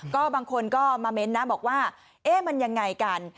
ก็บางคนก็มาเม้นต์นะบอกว่าเอ๊ะมันยังไงกัน